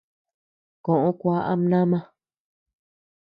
Koʼö kua ama nama.